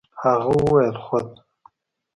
هغه وويل خود.